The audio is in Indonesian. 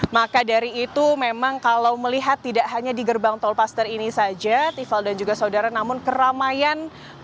maka dari itu memang kalau melihat tidak hanya di gerbang tol paster ini saja tiffal dan juga saudara namun keramaian